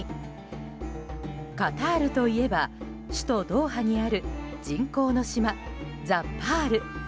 カタールといえば首都ドーハにある人口の島ザ・パール。